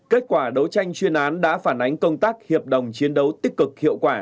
kết quả đấu tranh chuyên án đã phản ánh công tác hiệp đồng chiến đấu tích cực hiệu quả